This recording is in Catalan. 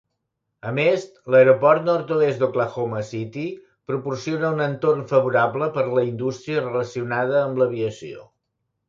A més, l"aeroport nord-oest d"Oklahoma City proporciona un entorn favorable per la indústria relacionada amb l"aviació.